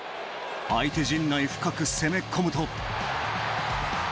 相手陣内深く攻め込むと。